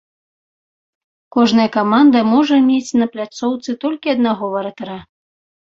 Кожная каманда можа мець на пляцоўцы толькі аднаго варатара.